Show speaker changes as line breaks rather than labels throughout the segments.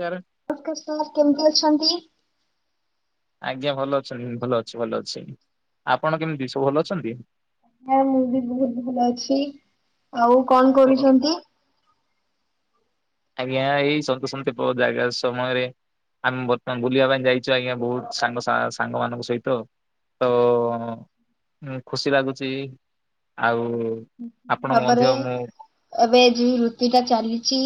ନମସ୍କାର
[unintelligible] ସାର୍ କେମତି ଅଛନ୍ତି?
ଆଜ୍ଞା ଭଲ ଅଛନ୍ତି ଭଲ ଅଛି ଭଲ ଅଛି। ଆପଣ କେମିତି ସବୁ ଭଲ ଅଛନ୍ତି?
ହଁ ମୁଁ ବି ବୋହୁତ ଭଲ ଅଛି। ଆଉ କଣ କରୁଚନ୍ତି?
ଆଜ୍ଞା ଏଇ ସନ୍ତସନ୍ତ ପ ଜାଗା ସମଏରେ ଆମେ ବର୍ତ୍ତମାନ ବୁଲିବା ପାଇଁ ଯାଇଚୁ ଆଜ୍ଞା ବହୁତ ସାଙ୍ଗ ସା ସାଙ୍ଗ ମାନଙ୍କ ସହିତ। ତ ଖୁସି ଲାଗୁଚି। ଆଉ ଆପଣଙ୍କୁ ମଧ୍ୟ
ଭାବରେ
ମୁଁ
ଏବେ ଯିଇ ଋତୁ ଟା ଚାଲିଚି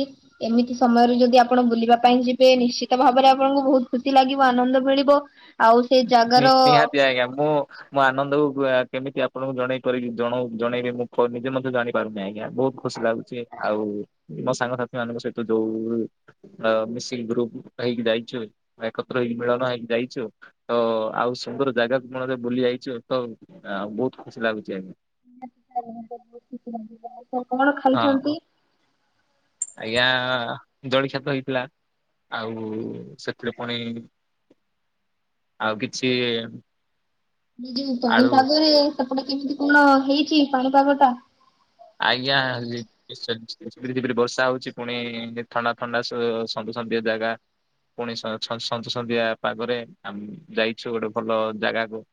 ଏମିତି ସମୟରେ ଯଦି ଆପଣ ବୁଲିବା ପାଇଁ ଯିବେ ନିଶ୍ଚିତ ଭାବରେ ଆପଣଙ୍କୁ ବହୁତ ଖୁସି ଲାଗିବ ଆନନ୍ଦ ମିଳିବ। ଆଉ ସେ ଜାଗାର
ନି-ନିହାତି ଆଜ୍ଞା ମୁଁ ମୋ ଆନନ୍ଦକୁ ଗୁ ଆ କେମିତି ଆପଣଙ୍କୁ ଜଣେଇ ପାରିବି ଜଣଉ ଜଣେଇବି ମୁଁ ଫୋନ୍ ନିଜେ ମଧ୍ୟ ଜାଣିପାରୁନି ଆଗ୍ ଜ୍ଞା ବହୁତ ଖୁସି ଲାଗୁଚି। ଆଉ ମୋ ସାଙ୍ଗସାଥି ମାନଙ୍କ ସହିତ ଯୋଉ ଅ ମିଶିକି ଗ୍ରୁପ ହେଇକି ଯାଇଚୁ। ଏକତ୍ର ହେଇକି ମିଳନ ହେଇକି ଯାଇଚୁ। ତ ଆଉ ସୁନ୍ଦର ଜାଗାକୁ ମଣରେ ବୁଲି ଆଇଚ ତ ଆଉ ଆଁ ବହୁତ୍ ଖୁସି ଲାଗୁଚି ଆଜ୍ଞା।
[unintelligible] ଖାଇଛନ୍ତି?
ହଁ ଆଜ୍ଞା ଆ। ଜଳିଖିଆ ତ ହେଇଥିଲା ଆଉ ସେଥିରେ ପୁଣି ଆଉ କିଛି
ଏ ଯୋଉ ପାଣି
ଆଳୁ
ପାଗରେ ସେପଟେ କେମିତି କଣ ହେଇଚି ପାଣିପାଗ ଟା?
ଆଜ୍ଞା ଲିଟ୍ ସେଜ୍ ଝିପିରି ଝିପିରି ବର୍ଷା ହଉଚି ପୁଣି ଥଣ୍ଡା ଥଣ୍ଡା ସ ଅ ସନ୍ଦୁ ସନ୍ଦିଆ ଜାଗା। ପୁଣି ସ ଛନ୍ ସନ୍ତ ସନ୍ତିଆ ପାଗରେ ଆମ୍ ଯାଇଛୁ ଗୋଟେ ଭଲ ଜାଗାକୁ।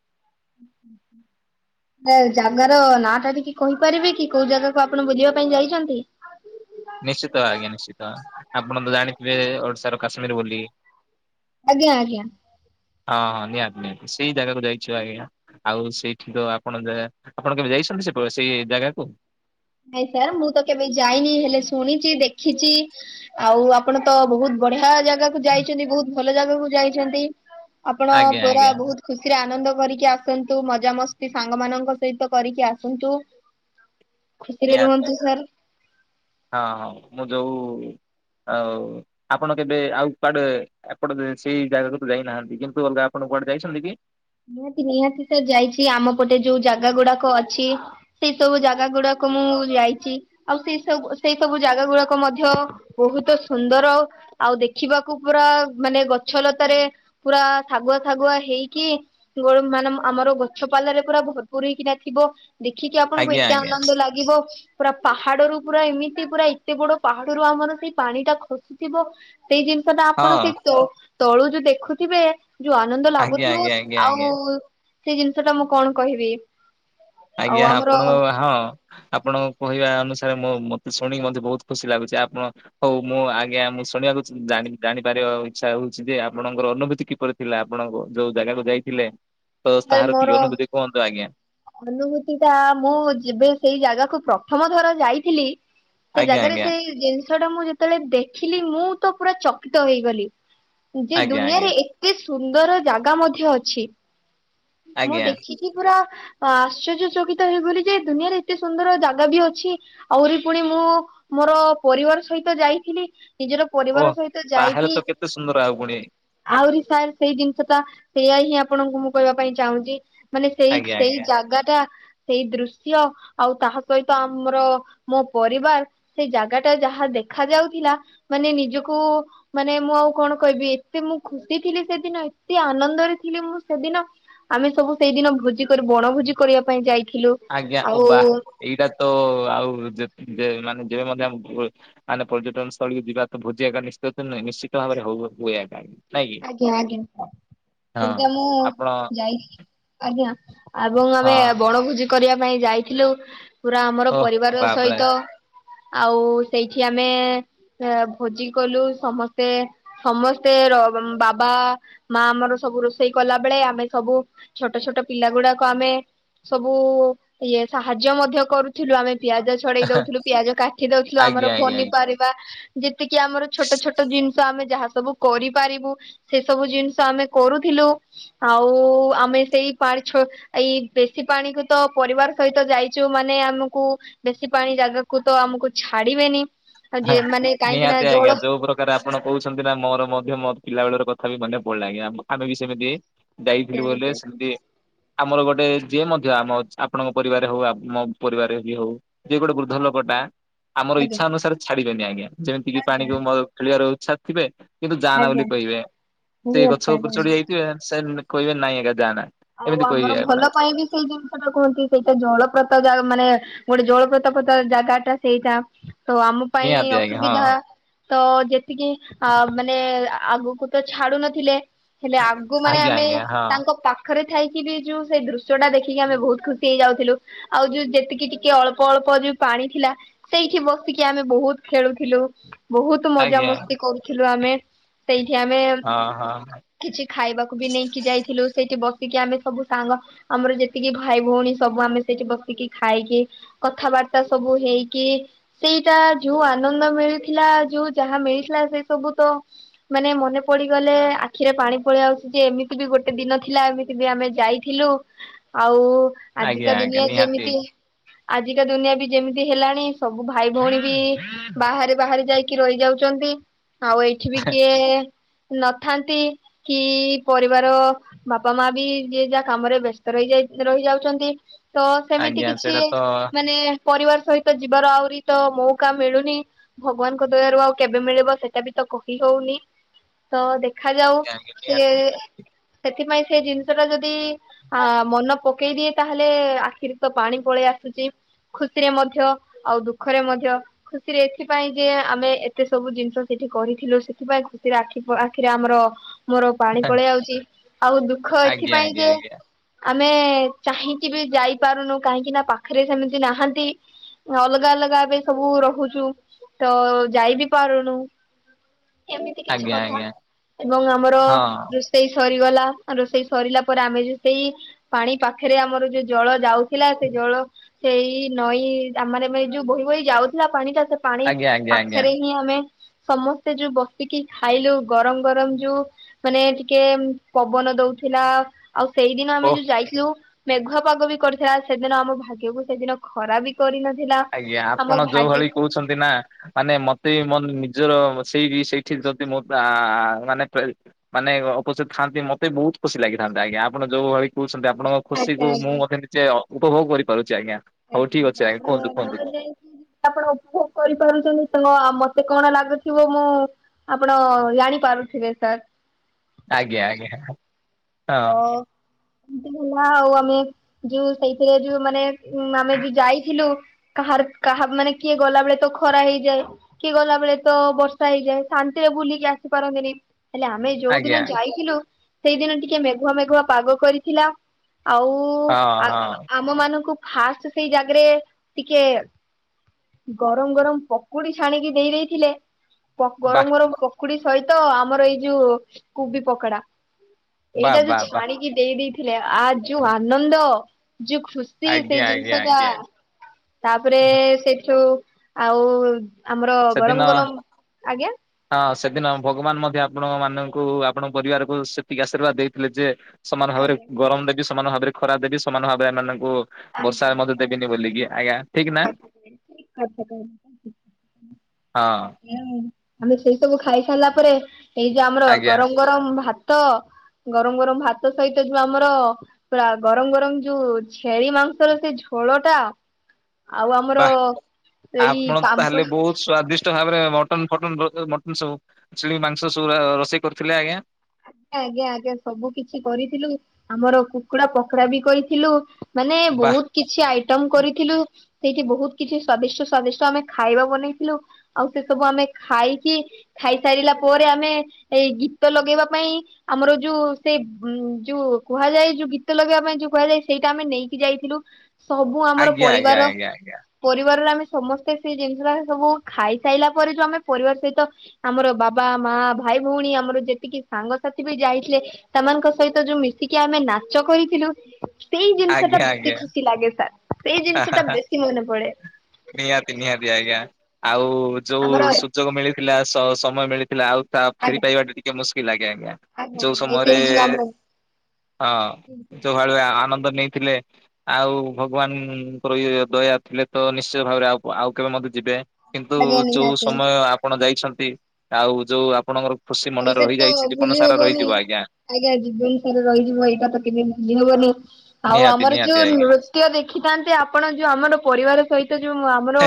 ଆ ଜାଗାର ନାଁ ଟା ଟିକେ କହିପାରିବେ କି କୋଉ ଜାଗାକୁ ଆପଣ ବୁଲିବା ପାଇଁ ଯାଇଚନ୍ତି?
ନିଶ୍ଚିତ ଆଜ୍ଞା ନିଶ୍ଚିତ ଆପଣ ତ ଜାଣିଥିବେ ଓଡିଶାର କାଶ୍ମୀର ବୋଲି।
ଆଜ୍ଞା ଆଜ୍ଞା।
ହଁ ହଁ ନିହାତି ନିହାତି ସେଇ ଜାଗାକୁ ଯାଇଛୁ ଆଜ୍ଞା, ଆଉ ସେଇଠି ତ ଆପଣ ଜାଗା ଆପଣ କେବେ ଯାଇ [unintelligible] ସେଇ ଜାଗାକୁ
ନାଇଁ ସାର୍ ମୁଁ ତ କେବେ ଯାଇନି ହେଲେ ଶୁଣିଚଗ ଦେଖିଚି ଆଉ ଆପଣ ତ ବହୁତ୍ ବଢିଆ ଜାଗାକୁ ଯାଇଚନ୍ତି ବହୁତ ଭଲ ଜାଗାକୁ ଯାଇଛନ୍ତି। ଆପଣ
ଆଜ୍ଞା
ପୁରା
ଆଜ୍ଞା
ବହୁତ ଖୁସିରେ ଆନନ୍ଦ। କରିକି ଆସନ୍ତୁ ମଜାମସ୍ତି ସାଙ୍ଗ ମାନଙ୍କ ସହିତ କରିକି ଆସନ୍ତୁ। ଖୁସିରେ
ନିହାତି
ରୁହନ୍ତୁ
ଆଜ୍ଞା
ସାର୍।
ହଁ ହଁ ମୁଁ ଯୋଉ ଆଉ ଆପଣ କେବେ ଆଉ କୁଆଡେ ଏପଟ ଦେ ସେଇ ଜାଗାକୁ ତ ଯାଇନାହାନ୍ତି କିନ୍ତୁ ଅଲଗା ଆପଣ ଙ୍କୁ ଆପଣ ଯାଇଛନ୍ତି କି?
ନିହାତି ନିହାତି ସାର୍ ଯାଇଛି ଆମ ପଟେ ଯୋଉ ଜାଗା ଗୁଡାକ ଅଛି ସେଇ ସବୁ ଜାଗା ଗୁଡାକ ତ ମୁଁ ଯାଇଚି ଆଉ ସେଇ ସବୁ ସେଇ ସବୁ ଜାଗା ଗୁଡାକ ମଧ୍ୟ ବହୁତ ସୁନ୍ଦର। ଆଉ ଦେଖିବାକୁ ପୁରା ମାନେ ଗଛ ଲତାରେ ପୁରା ଶାଗୁଆ ଫାଗୁଆ ହେଇକି ଗୋଳୁମ୍ ମାନମ୍ ଆମର ଗଛ ପାଲ ରେ ପୁରା ଭରପୁର ହେଇକିନା ଥିବ। ଦେଖିକି ଆପଣଙ୍କୁ
ଆଜ୍ଞା
ଏତେ
ଆଜ୍ଞା
ଆନନ୍ଦ ଲାଗିବ। ପୁରା ପାହାଡରୁୁ ପୁରା ଏମିତି ପୁରା ଏତେ ବଡ ପାହାଡରୁୁ ଆମର ସେଇ ପାଣି ଟା ଖସୁଥିବ। ସେଇ ଜିନିଷ ଟା ଆପଣ
ହଁ
ସେଇ ତଉ ତଳୁ ଯୋଉ ଦେଖୁଥିବେ ଯୋଉ ଆନନ୍ଦ
ଆଜ୍ଞା
ଲାଗୁଥିବ।
ଆଜ୍ଞା ଆଜ୍ଞା
ଆଉ
ଆଜ୍ଞା।
ସେଇ ଜିନିଷ ଟା ମୁଁ କଣ କହିବି? ଆଉ
ଆଜ୍ଞା
ଆମର
ଆପଣଙ୍କ ବା ହଁ ଆପଣଙ୍କ କହିବା ଅନୁସା ରେ ମୋ ମତେ ଶୁଣିକି ମତେ ବହୁତ ଖୁସି ଲାଗୁଚି ଆପଣ ହଉ ମୁଁ ଆଜ୍ଞା ମୁଁ ଶୁଣିବାକୁ ଜାନି ଜାଣିପାରେ। ତ ଇଛା ହଉଚି ଯେ ଆପଣଙ୍କର ଅନୁଭୂତି କିପରି ଥିଲା ଆପଣଙ୍କ ଯୋଉ ଜାଗାକୁ ଯାଇଥିଲେ। ତ ସ୍ତାହାର ଟିଅନ କୁ ଦେ କହନ୍ତୁ ଆଜ୍ଞା।
ଅନୁଭୂତିଟା ମୁଁ ଯେବେ ସେଇ ଜାଗାକୁ ପ୍ରଥମ ଥର ଯାଇଥିଲି ସେ
ଆଜ୍ଞା
ଜାଗାରେ
ଆଜ୍ଞା
ସେଇ ଜିନିଷ ଟା ମୁଁ ଯେତବେଳେ ଦେଖିଲି ମୁଁ ତ ପୁରା ଚକିତ ହେଇଗଲି। ଯେ
ଆଜ୍ଞା ଆଜ୍ଞା
ଦୁନିଆରେ ଏତେ ସୁନ୍ଦର ଜାଗା ମଧ୍ୟ ଅଛି। ମୁଁ
ଆଜ୍ଞା
ଦେଖିକି ପୁରା ଆଶ୍ଚର୍ଯ୍ୟଚକିତ ହେଇଗଲି ଯେ ଦୁନିଆରେ ଏତେ ସୁନ୍ଦର ଜାଗା ବି ଅଛି ଆହୁରି ପୁଣି ମୁଁ ମୋର ପରିବାର ସହିତ ଯାଇଥିଲି ନିଜର
ଓହ
ପରିବାର ସହିତ
ତାହେଲେ
ଯାଇକି
ତ କେତେ ସୁନ୍ଦର ଆଉ ପୁଣି
ଆଉରି ସାର୍ ସେଇ ଜିନିଷ ଟା ସେଇୟା ହିଁ ହବ୍ ଆପଣଙ୍କୁ ମୁଁ କହିବା ପାଇଁ ଚାହୁଁଚି ମାନେ ସେଇ
ଆଜ୍ଞା
ସେଇ
ଆଜ୍ଞା
ଜାଗା ଟା ସେଇ ଦୃଶ୍ୟ ଆଉ ତାହା ସହିତ ଆମର ମୋ ପରିବାର ସେଇ ଜାଗା ଟା ଯାହା ଦେ ଦେଖା ଯାଉଥିଲା ମାନେ ନିଜୁକୁ ମାନେ ମୁଁ ଆଉ କଣ କହିବି ଏତେ ମୁଁ ଖୁସି ଥିଲି ସେଦିନ ଏତେ ଆନନ୍ଦରେ ଥିଲି ମୁଁ ସେଦିନ ଆମେ ସବୁ ସେଇଦିନ ଭୋଜି କରି ବଣଭୋଜି କରିବା ପାଇଁ ଯାଇ
ଆଜ୍ଞା ଓବା ଏଇଡ଼ା ତ ଆଉ ଯେ ଦେ ମାନେ ଯେବେ ମଧ୍ୟ ଆମେ ବ ମାନେ ପର୍ଯ୍ୟଟନ ସ୍ଥଳୀକୁ ଯିବା ତ ଭୋଜି ୟାକା [unintelligible] ନୁହେଁ ନିଶ୍ଚିତ ଭାବରେ ହୋଉ ହୁଏ ଆଗେ ଆଗେ
ଆଜ୍ଞା ଆଜ୍ଞା ସେଇଡ଼ା ମୁଁ
ଆପଣ
ଯାଇ ଆଜ୍ଞା। ଆବଂ
ହଁ
ଆମେ ବଣଭୁଜି କରିବା ପାଇଁ ଯାଇଥିଲୁ ପୁରା ଆମର
ଓଃ
ପରିବାର
ବାପରେ
ସହିତ। ଆଉ ସେଇଠି ଆମେ ଏଁଆଁ ଭୋଜି କଲୁ ସମସ୍ତେ ସମସ୍ତେ ର ବାବା ମା ଆମର ସବୁ ରୋଷେଇ କଲା ବେଳେ ଆମେ ସବୁ ଛୋଟୋ ଛୋଟୋ ପିଲା ଗୁଡାକ ଆମେ ସବୁ ଇଏ ସାହାଯ୍ୟ ମଧ୍ୟ କରୁଥିଲୁ ଆମେ ପିଆଜ ଛଡେଇ ଦୋଉଥୁଲୁ ପିଆଜ କାଠି ଦୋଉଥୁଲୁ ଆମର
ଆଜ୍ଞା ଆଜ୍ଞା ଆଜ୍ଞା।
ପନିପାରିବା ଯେତିକି ଆମର ଛୋଟୋ ଛୋଟୋ ଜିନିଷ ଆମେ ଯାହା ସବୁ କରି ପାରିବୁ ସେ ସବୁ ଜିନିଷ ଆମେ କରୁଥିଲୁ ଆଉ ଆମେ ସେଇ ପାଣେଛ ଏଇ ବେଶୀ ପାଣିକୁ ତ ପରିବାର ସହିତ ଯାଇଚୁ ମାନେ ଆମକୁ ବେଶୀ ପାଣି ଜାଗାକୁ ତ ଆମ କୁ ଛାଡିବେନି। ଆଉ
ହଁ
ଯେ ମାନେ କାହିଁକି ନା
ନିହାତି
ଜଳ
ଆଜ୍ଞା ଯୋଉ ପ୍ରକାରେ ଆପଣ କୋହୁଛନ୍ତି ନା ମୋର ମଧ୍ଯ ପିଲାବେଳର କଥା ବି ମନେ ପଡିଲା ଆଜ୍ଞା ଆମ ଆମେ ବି ସେମିତି
ଆଜ୍ଞା
ଯାଇଥିଲୁ ବୋଲେ
ଆଜ୍ଞା
ସେମିତି ଆମର ଗୋଟେ ଯିଏ ମଧ୍ୟ ଆମ ଆପଣଙ୍କ ପରିବାରରେ ହୋଉ ଆ ମୋ ପରିବାରରେ ବି ହୋଉ ଯିଏ ଗୋଟେ ବୃଦ୍ଧ ଲୋକୋ ଟା ଆମର ଇଚ୍ଛା ଅନୁସାରେ ଛାଡିବେନି ଆଜ୍ଞା ଯେମିତି କିି
ଆଜ୍ଞା
ପାଣିକୁ ମୋର ଖେଳିବାର ଇଚ୍ଛା ଥିବେ କି ତୁ ଯାନା ବୋଲି
ଆଜ୍ଞା
କହିବେ ସେଇ ଗଛ ଉପୁରୁ ଚଢି
ଆଜ୍ଞା
ଯାଇଥିବେ ସେ କହିବେ ନାଇଁ ଆଜ୍ଞା ଯାନା
ଆଉ ଆମର ଭଲ ପାଇଁ ବି ସେଇ ଜିନିଷ ଟା କୁହନ୍ତି ସେଇଟା ଜଳପ୍ରତ ଯାଗା ମାନେ ଗୋଟେ ଜଳପ୍ରତ ପତ ଜାଗା ଟା ସେଇଟା ତ ଆମ ପାଇଁ
ନିହାତି ଆଜ୍ଞା ହଁ
ଅସୁବିଧା ତ ଯେତିକି ଆଁ ମାନେ ଆଗୁକୁ ତ ଛାଡୁ ନଥିଲେ। ହେଲେ ଆଗୁ ମାନେ
ଆଜ୍ଞା
ଆମେ
ଆଜ୍ଞା ହଁ
ତାଙ୍କ ପା ପାଖରେ ଥାଇକି ବି ଯୋଉ ସେଇ ଦୃଶ୍ୟ ଟା ଦେଖିକି ଆମେ ବୋହୁତ ଖୁସି ହେଇଯାଉଥିଲୁ ଆଉ ଯୋଉ ଯେତିକି ଟିକେ ଅଳ୍ପ ଅଳ କ ଯୋଉ ପାଣି ଥିଲା ସେଇଠି ବସିକି ଆମେ ବୋହୁତ ଖେଳୁଥିଲୁ। ବୋହୁତ
ଆଜ୍ଞା
ମଜାମସ୍ତି କରୁଥିଲୁ ଆମେ ସେଇ ଠି ଆମେ
ହଁ ହଁ।
କିଛି ଖାଇବାକୁ ବି ନେଇକି ଯାଇଥିଲୁ ସେଇଠି ବ ଟିକିଏ ଆମେ ସବୁ ସାଙ୍ଗ ଆମର ଯେତିକି ଭାଇ ଭୋଉଣୀ ସବୁ ଆମେ ସେଇଠି ବସିକି ଖାଇକି କଥାବା ଟା ସବୁ ହେଇକି ସେଇଟା ଯୋଉ ଆନନ୍ଦ ମିଳିଥିଲା ଯୋଉ ଯାହା ମିଳିଥିଲା ସେଇ ସ ବୋହୁତ ମନେ ପଡିଗଲେ ଆଖିରେ ପାଣି ପଳେଇ ଆଉଚି ଯେ ଏମିତି ବି ଗୋଟେ ଦିନ ଥିଲା ଏମି ତି ବି ଆମେ ଯାଇଥିଲୁ ଆଉ
ଆଜ୍ଞା
ଆଜିକା
ଆଜ୍ଞା
ଦୁନିଆ
ନିହାତି
ଯେମିତି ଆଜିକା ଦୁନିଆ ବି ଯେମିତି ହେଲାଣି ସବୁ ଭାଇ ଭୋଉଣୀ ବି ବାହାରେ ବାହାରେ ଯାଇକି ରହିଯାଉ ଚନ୍ତି। ଆଉ ଏଇଠି ବି କିଏ ନଥାନ୍ତି କି ପରିବାର ବା ପା ମାଆ ବି ଯିଏ ଯାହା କାମରେ ବେସ୍ତ ରହିଯାଇ ରହିଯାଉଛନ୍ତି। ତ ସେମିତି
ଆଜ୍ଞା
କିଛି
ସେଇଟା ତ
ମାନେ ପରିବାର ସହିତ ଯିବାର ଆହୁରି ତ ମୋଉକା ମିଳୁନି ଭଗବାନଙ୍କ ଦୟାରୁ ଆଉ କେବେ ମିଳିବ ସେଟା ବି ତ ତ କହିହୋଉନି ତ ଦେଖାଯାଉ ସେ
ଆଜ୍ଞା ଆଜ୍ଞା ନିହାତି
ସେଥିପାଇଁ ସେ ଜିନ୍ସଟା ଯଦି ଆ ମନ ପକେଇ ଦିଏ ତାହେଲେ ଆଖିରେ ତ ପାଣି ପଳେଇ ଆସୁଚି। ଖୁସିରେ ମଧ୍ୟ ଆଉ ଦୁଃଖରେ ମଧ୍ୟ ଖୁସିରେ ଏଥିପାଇଁ ଯେ ଆମେ ଏତେ ସବୁ ଜିନ୍ସ ସେ ଠି କରିଥିଲୁ ସେଥିପାଇଁ ଖୁସିରେ ଆଖି ପ ଆଖିରେ ଆମର ମୋରୋ ପାଣି ପଳେଇ ଆଉଚି ଆଉ ଦୁ
ଆଜ୍ଞା ଆଜ୍ଞା ଆଜ୍ଞା।
ଆମେ ଚାହିଁକି ବି ଯାଇପାରୁନୁ କାହିଁକି ନା ପାଖେରେ ସେମିତି ନାହାନ୍ତି ଅଲଗା ଅଲ ଗା ଏବେ ସବୁ ରୋହୁଚୁ ତ ଯାଇ ବିି ପାରୁନୁ।
[inaudible]
ଏମିତି କିଛି
ଆଜ୍ଞା
କଥା
ଆଜ୍ଞା
ଏବଂ ଆମର
ହଁ
ରୁଷେଇ ସରିଗଲା। ରୋଷେଇ ସରିଲା ପରେ ଆମେ ଯୋଉ ସେଇ ପାଣି ପାଖେରେ ଆମର ଯୋଉ ଜଳ ଯାଉଥିଲା ସେ ଜଳ ଏଇ ନଈ ଆମର ଏବେ ଏ ଯୋଉ ବହି ବହି ଯାଉଥିଲା ପାଣି ଟା। ସେ ପାଣି
ଆଜ୍ଞା ଆଜ୍ଞା ଆଜ୍ଞା
ପାଖରେ ହିଁ ଆମେ ସମସ୍ତେ ଯୋଉ ବସିକି ଖାଇଲୁ ଗରମ ଗରମ ଯୋଉ ମାନେ ଟିକେ ପ ବନ ଦଉଥିଲା। ଆଉ ସେଇଦିନ ଆମେ
ଓଃ
ଯୋଉ ଯାଇଥିଲୁ ମେଘୁଆ ପାଗ ବି କରିଥିଲା। ସେଦିନ ଆମ ଭାଗ୍ୟକୁ ସେଇଦିନ ଖରା ବି କରିନ
ଆଜ୍ଞା ଆପଣ ଯୋଉ ଭଳି କହୁଛନ୍ତି ନା ମାନେ ମୋତେ ବି ମୋ ନିଜର ସେଇ ବି ସେଇଠି ଯଦି ମୋ ପା ଆ, ଆଉ ମାନେ ଫେଇ ମାନେ ଅ, ଅପସ୍ଥିତ ଥାନ୍ତି ମୋତେ ବହୁତ ଖୁସି ଲାଗିଥାନ୍ତା, ଆଜ୍ଞା ଆପଣ ଯୋଉ ଭଳି କୁ ଛନ୍ତି ଆପଣଙ୍କ ଖୁସି କୁ
ଆଜ୍ଞା
ମୁଁ
ଆଜ୍ଞା
ମଧ୍ୟ ନିଜେ ଅ, ଉପଭୋଗ କରିପାରୁଛି ଆଜ୍ଞା। ହଉ ଠିକ୍ ଅଛି ଆଜ୍ଞା କୁହନ୍ତୁ।
ଓ
କୁହନ୍ତୁ କୁହନ୍ତୁ
ଦେଖିକି ଆପଣ ଉପଭୋଗ କରିପାରୁଚନ୍ତି ତ ନ ଅ, ମୋତେ କଣ ଲାଗୁଥିବ ମୁଁ ଆପଣ ଜାଣିପାରୁଥିବେ ସାର୍।
ଆଜ୍ଞା ଆଜ୍ଞା
ହୋ
ହଁ
ଏମତିକି ନୂଆ ଆଉ ଆମେ ଯୋଉ ସେଇଥିରେ ଯୋଉ ମାନେ ଉଁ, ଆମେ ଯୋଉ ଯାଇଥିଲୁ କାହାର କାହା ମାନେ କିଏ ଗଲା ବେଳେ ତ ଖରା ହେଇଯାଏ। କିଏ ଗଲା ବେଳେ ତ ବର୍ଷା ହେଇଯାଏ। ଶାନ୍ତିରେ ବୁଲି କି ଆସିପାରନ୍ତିନି। ହେଲେ ଆମେ ଯୋଉ ଦିନ
ଆଜ୍ଞା
ଯାଇଥିଲୁ ସେଇଦିନ ଟିକେ ମେଘୁଆ ମେଘୁଆ ପାଗ କରିଥିଲା। ଆଉ
ହଁ
ଆ,
ହଁ
ଆମ ମାନଙ୍କୁ ଫାଷ୍ଟ ସେଇ ଜାଗାରେ ଟିକେ ଗରମ ଗରମ ପକୁଡି ଛାଣିକି ଦେଇ ଦେଇଥିଲେ।
ବାଃ
ପ-ଗରମ ଗରମ ପକୁଡି ସହିତ ଆମର ଏଇ ଯୋଉ କୁବି ପକୋଡା।
ବାଃ
ଏଇଟା ଯୋଉ
ବାଃ ବାଃ
ଛାଣିକି ଦେଇ ଦେଇଥିଲେ ଆ ଯୋଉ ଆନନ୍ଦ। ଯୋଉ ଖୁସି ସେଇ
ଆଜ୍ଞା
ଜିନିଷ
ଆଜ୍ଞା
ଟା।
ଆଜ୍ଞା
ତାପରେ ସେଠୁ ଆଉ ଆମର
ସେଦିନ
ଗରମ ଗରମ ଆଜ୍ଞା।
ହଁ ସେଦିନ ଭଗବାନ ମଧ୍ୟ ଆପଣ ମାନଙ୍କୁ ଆପଣଙ୍କ ପରିବାରକୁ ସେତିକି ଆଶୀର୍ବାଦ ଦେଇଥିଲେ ଯେ ସମାନ ଭାବରେ
ଆଜ୍ଞା
ଗରମ ରେବି ସମାନ ଭାବରେ ଖରା ଦେବି। ସମାନ ଭାବେ ଏମାନଙ୍କୁ ବର୍ଷା
ଆଜ୍ଞା,
ମଧ୍ୟ
ଆଜ୍ଞା
ଦେବିନି ବୋଲିକି ଆଜ୍ଞା ନା
ଠିକ କଥା କହିଲେ। ଏକଦମ୍ ଠିକ କଥା।
ହଁ।
ହୁଁ ଆମେ ସେଇ ସବୁ ଖାଇ ସାରିଲା ପରେ। ଏଇ ଯୋଉ ଆମର
ଆଜ୍ଞା
ଗରମ ଗରମ ଭା ତ ଗରମ ଗରମ ଭାତ ସହିତ ଯୋଉ ଆମର ପୁରା ଗରମ ଗରମ ଯୋଉ ଛି ଛେଳି ମାଂସ ର ସେଇ ଝୋଳ ଟା। ଆଉ ଆମର
ବାଃ
ଏଇ
ଆପଣ ତାହେଲେ
ପାମ୍ପଡ
ବହୁତ ସ୍ଵାଦିଷ୍ଟ ଭାବରେ ମ ଟନ୍ ଫଟନ୍ ଭ-ଅ, ମଟନ୍ ସ- ଛେଳି ମାଂସ ସବୁରା ରୋଷେଇ କରିଥିଲେ ଆଜ୍ଞା।
ଆଜ୍ଞା, ଆଜ୍ଞା, ଆଜ୍ଞା ସବୁ କିଛି କରିଥିଲୁ। ଆମର କୁକୁଡା ପୋକଡା ବି କରିଥିଲୁ। ମାନେ
ବାଃ
ବହୁତ କିଛି ଆଇଟମ କରିଥିଲୁ। ସେଇଠି ବହୁତ କିଛି ସ୍ଵାଦିଷ୍ଟ ସ୍ଵାଦିଷ୍ଟ ଆମେ ଖାଇବା ବନେଇଥିଲୁ। ଆଉ ସେ ସବୁ ଆମେ ଖାଇକି ଖାଇସାରିଲା ପରେ ଆମେ ଏଇ ଗୀତ ଲଗେଇବା ପାଇଁ ଆମର ଯୋଉ ସେ ଉଁ, ଯୋଉ କୁହାଯାଏ ଯୋଉ ଗୀତ ଲଗେଇବା ପାଇଁ ଯୋଉ କୁହାଯାଏ ସେଇଟା ଆମେ ନେଇ କି ଯାଇଥିଲୁ ସବୁ ଆମର
ଆଜ୍ଞା ଆଜ୍ଞା
ପରିବାର
ଆଜ୍ଞା ଆଜ୍ଞା
ପରିବାରରେ ଆମେ ସମସ୍ତେ ସେଇ ଜିନିଷଟା ଆମେ ସବୁ ଖାଇସାଇଲା ପରେ ଯୋଉ ଆମେ ପରିବାର ସହିତ ଆମର ବାବା, ମା, ଭା ଭାଇ ଭଉଣୀ ଆମର ଯେତିକି ସାଙ୍ଗସାଥି ବି ଯାଇଥିଲେ ସେମାନଙ୍କ ସହିତ ଯୋଉ ମିଶିକି ଆମେ ନାଚ କରିଥିଲୁ। ସେଇ ଜିନିଷ ଟା ବେଶୀ
ଆଜ୍ଞା
ଖୁସି ଲାଗେ ସାର୍। ସେଇ ଜିନିଷ
ଆଜ୍ଞା।
ଟା ବେଶୀ ମନେ ପଡେ।
ନିହାତି ନିହାତି ଆଜ୍ଞା। ଆଉ ଯୋଉ
ଆମର ଆଜ୍ଞା
ସୁଯୋଗ ମିଳିଥିଲା ସ-ସମୟ ମିଳିଥିଲା ଆଉ ତା ଫେରି ପାଇବା ଟା ଟିକେ ମୁସ୍ ସେ ଆଜ୍ଞା
ଆଜ୍ଞା
ଯୋଉ
ଆଜ୍ଞା
ସମୟରେ
ସେଇ ଯୋଉ ଆମର
ହଁ ଯୋଉ ଭଳି ଆ, ଆନନ୍ଦ ନେଇ ଥିଲେ। ଆଉ ଭଗବାନଙ୍କର ଇଏ ଦୟା ଥିଲେ ତ ନିଶ୍ଚିୟ ଭାବରେ ଆଉ କ-ଆଉ କେବେ ମଧ୍ୟ ଯିବେ। କିନ୍ତୁ
ଆଜ୍ଞା
ଯୋଉ
ନିହାତି।
ସମୟ ଆପଣ ଯାଇଛନ୍ତି। ଆଉ ଯୋଉ ଆପଣଙ୍କର ଖୁସି ମନରେ
ସେଇଟା ତ
ରହିଯାଇଛି ଜୀବନ
ଭୁଲି
ସାରା
ହବନି।
ରହିଯିବ ଆଜ୍ଞା।
ଆଜ୍ଞା, ଏ ଜୀବନ ସାରା ରହିଯିବ ଏଇଟା ତ କେବେ ଭୁଲି ହବନି। ଆଉ
ନିହାତି
ଆମର
ନିହାତି
ଯୋଉ
ଆଜ୍ଞା।
ନୃତ୍ୟ ଦେ ଶାକାନ୍ତି ଆ ଆପଣ ଯୋଉ ଆମର ପରିବାର ସହିତ ଯୋଉ ଆମର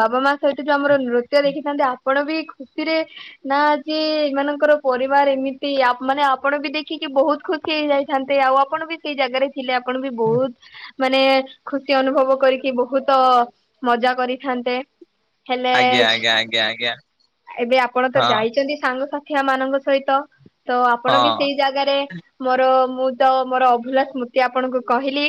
ବାବା ମା ସହିତ ଯୋଉ ଆମର ନୃତ୍ୟ ଦେଖିଥାନ୍ତି। ଆପଣ ବି ଖୁସିରେ ନା ଯିଏ ସେମାନଙ୍କର ପରିବାର ଏମିତି ମାନେ ଆପଣ ବି ଦେଖିକି ବହୁତ ଖୁସି ହେଇଯାଇଥାନ୍ତେ ଆଉ ଆପଣ ବି ସେଇ ଜାଗାରେ ଥିଲେ ଆପଣ ବି ବହୁତ ମାନେ ଖୁସି ଅନୁଭବ କରିକି ବହୁତ ମଜା କରିଥାନ୍ତେ। ହେଲେ
ଆଜ୍ଞା ଆଜ୍ଞା ଆଜ୍ଞା ଆଜ୍ଞା
ଏବେ ଆପଣ ତ
ହଁ
ଯାଇଛନ୍ତି ସାଙ୍ଗସା ଥିଲା ମାନଙ୍କ ସହିତ ତ ଆପଣ ବି
ହଁ
ସେଇ ଜାଗାରେ ମୋର ମୁଁ ତ ମୋର ଅଭୁଲା ସ୍ମୃତି ଆପଣଙ୍କୁ କହିଲି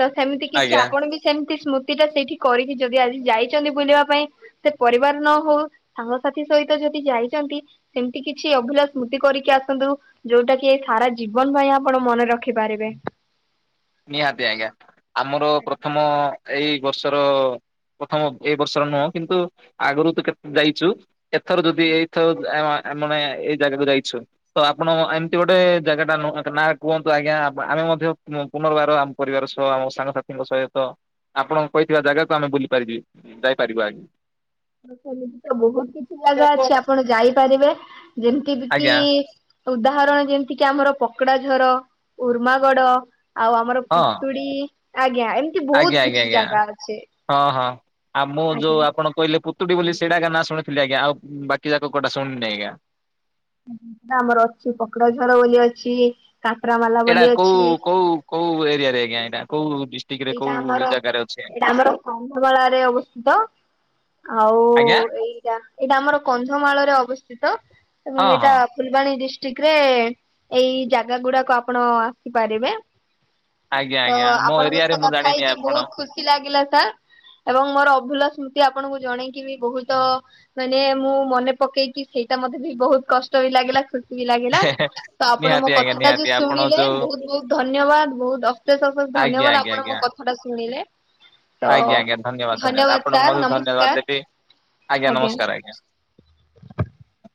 ତ ସେମିତି କିଛି
ଆଜ୍ଞା।
ଆପଣ ବି ସେମ ସ୍ମୃତି ଟା ସେଇଠି କରିକି ଯଦି ଆଜି ଯାଇଛନ୍ତି ବୁଲିବା ପାଇଁ ସେ ପରିବାର ନ ହଉ ସାଙ୍ଗସାଥି ସହିତ ଯଦି ଯାଇଛନ୍ତି ସେମ ତି କିଛି ଅଭିଲା ସ୍ମୃତି କରିକି ଆସନ୍ତୁ ଯୋଉଟା କି ଏ ସାରା ଜୀବନ ପାଇଁ ଆପଣ ମନେ ରଖି ପାରିବେ।
ନିହାତି ଆଜ୍ଞା ଆମର ପ୍ରଥମ ଏଇ ବର୍ଷର ପ୍ରଥମ ଏଇ ବର୍ଷର ନୁହଁ କିନ୍ତୁ ଆଗରୁ ତ କେତେ ଯାଇଛୁ। ଏଥର ଯଦି ଏଇଥର ଆମ ମାନେ ଏଇ ଜାଗାକୁ ଯାଇଛୁ ତ ଆପଣ ଏମିତି ଗୋଟେ ଜାଗା ଟା ନ ନା କୁହନ୍ତୁ ଆଜ୍ଞା ଆ ଆମେ ମଧ୍ୟ ପୁନ ପୁନର୍ବାର ଆମ ପରିବାର ସହ ଆମ ସାଙ୍ଗସାଥିୀଙ୍କ ସହିତ ଆପଣଙ୍କ କହିଥିବା ଜାଗାକୁ ଆମେ ବୁଲି ପାରିବି ଯାଇପାରିବା ଆଗ
ଖ ତ ବହୁତ କିଛି ଜାଗା ଅଛି ଆପଣ ଯାଇପାରିବେ ଯେମିତି କି
ଆଜ୍ଞା
ଉଦାହରଣ ଯେମିତି କିି ଆମର ପକଡ଼ା ଝର, ଉର୍ମାଗଡ଼ ଆଉ ଆମର
ହଁ
କୁତୁଡ଼ି
ଆଜ୍ଞା ଆଜ୍ଞା ଆଜ୍ଞା
ଅଛି
ହଁ ହଁ ଆ ମୁଁ
ଆଜ୍ଞା
ଯୋଉ ଆପଣ କହିଲେ ପୁ ତୁଡ଼ି ବୋଲି ସେଇଟା ଏଗା ନା ଶୁଣିଥିଲ ଆଜ୍ଞା ଆଉ ବାକି ଯାକ କୋଉଟା ଶୁଣିନି ଆଜ୍ଞା।
ଆମର ଅଛି ପକଡ଼ା ଝର ବୋଲି ଅଛି। କାଟରାମାଲା
ଏଇଟା
ବୋଲି ଅଛି
କୋଉ କୋଉ କୋଉ ଏରିଆ ରେ ଆଜ୍ଞା ଏଇଟା କୋଉ ଡିଷ୍ଟ୍ରିକ୍ଟ ରେ
ଏଇଟା
କୋଉ
ଆମର
ଜାଗାରେ ଅଛି?
ଏଇଟା ଆମର କନ୍ଧମାଳରେ ଅବସ୍ଥିତ। ଆଉ
ଆଜ୍ଞା
ଏଇଟା ଏଇଟା ଆମର କନ୍ଧମାଳ ରେ ଅବସ୍ଥିତ ଏବଂ
ହଁ
ଏଇଟା
ହଁ
ଫୁଲବାଣୀ ଡ଼ିସ ଟିକରେ ଏଇ ଜାଗା ଗୁଡ଼ାକ ଆପଣ ଆସିପାରିବେ।
ଆଜ୍ଞା
ତ
ଆଜ୍ଞା ମୋ
ଆପଣଙ୍କ
ଏରିଆ
କଥା ହେଇକି ବହୁତ ଖୁସି ଲାଗିଲା ସାର୍ ଏବଂ ମୋର ଅଭୁଲା ସ୍ମୁତି ତି ଆପଣଙ୍କୁ ଜଣେଇକି ବି ବହୁତ ମାନେ ମୁଁ ମନେ ପକେଇକି ସେଇଟା ମତେ ବି ବହୁତ କଷ୍ଟ ହେ ଲାଗିଲା ଖୁ ସି ଲାଗିଲା ତ ଆପଣ ମୋ
ନିହାତି ଆଜ୍ଞା
କଥାଟା
ନିହାତି
ଯୋଉ
ଆପଣ
ଶୁଣିଲେ
ଯୋଉ
ବହୁତ ବହୁତ ଧନ୍ୟବାଦ ବହୁତ ଅଶେଷ ଅଶେଷ
ଆଜ୍ଞା
ଧନ୍ୟବାଦ
ଆଜ୍ଞା
ଆପଣ ମୋ
ଆଜ୍ଞା
କଥାଟା ଶୁଣିଲେ। ତ
ଆଜ୍ଞା ଆଜ୍ଞା ଧନ୍ୟବାଦ ଧନ୍ୟବାଦ ଆପଣଙ୍କୁ
ସାର୍
ମଧ୍ୟ ଧନ୍ୟବାଦ
ନମସ୍କାର
ଦେବି। ଆଜ୍ଞା ନମସ୍କାର ଆଜ୍ଞା।